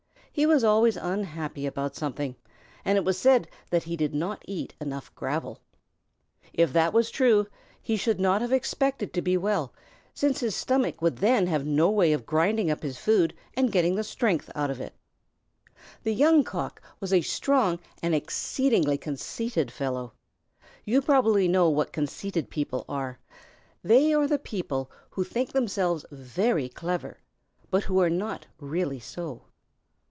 He was always unhappy about something, and it was said that he did not eat enough gravel. If that was true, he should not have expected to be well, since his stomach would then have no way of grinding up his food and getting the strength out of it. The Young Cock was a strong and exceedingly conceited fellow. You probably know what conceited people are. They are the people who think themselves very clever, but who are not really so.